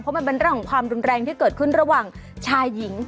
เพราะมันเป็นเรื่องของความรุนแรงที่เกิดขึ้นระหว่างชายหญิง